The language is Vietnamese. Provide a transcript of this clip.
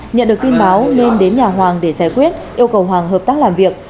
nhận được tin báo liên đến nhà hoàng để giải quyết yêu cầu hoàng hợp tác làm việc